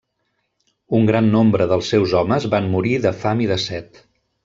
Un gran nombre dels seus homes van morir de fam i de set.